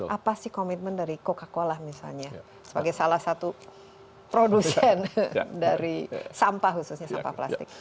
apa sih komitmen dari coca cola misalnya sebagai salah satu produsen dari sampah khususnya sampah plastik